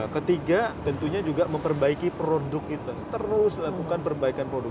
ketiga tentunya juga memperbaiki produk kita terus lakukan perbaikan produk